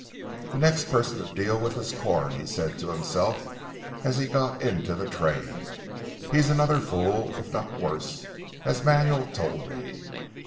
"The next person to deal with is Corn," he said to himself as he got into the train, "he is another fool if not worse, as Manuel told me.